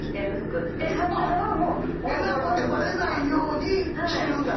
えなこってバレないようにしてるんだ普段。